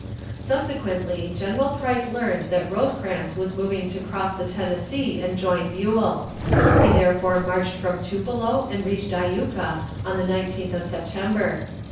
Subsequently General Price learned that Rosecrans was moving to cross the Tennessee and join Buell; he therefore marched from Tupelo and reached Iuka on the 19th of September.